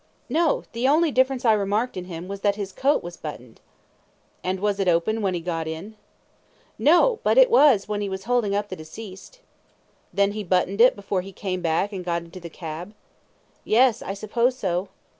A. No; the only difference I remarked in him was that his coat was buttoned. Q. And was it open when he got in? A. No; but it was when he was holding up the deceased. Q. Then he buttoned it before he came back and got into the cab? A. Yes. I suppose so.